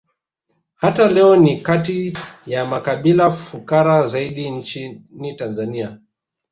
Hata leo ni kati ya makabila fukara zaidi nchini Tanzania